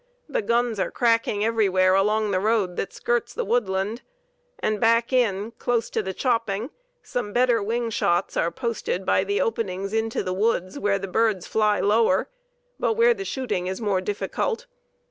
The guns are cracking everywhere along the road that skirts the woodland, and back in, close to the 'chopping,' some better wing shots are posted by the openings into the woods where the birds fly lower, but where the shooting is more difficult.